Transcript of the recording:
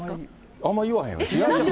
あんまり言わへんよ。